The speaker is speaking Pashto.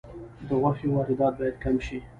د غوښې واردات باید کم شي